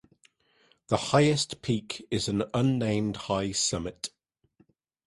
The highest peak is an unnamed high summit.